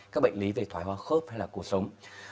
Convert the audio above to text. các bệnh lý về thoại hòa khớp hay là cuộc sống